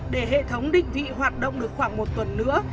để hệ thống định vị hoạt động được khoảng một tuần nữa